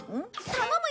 頼むよ。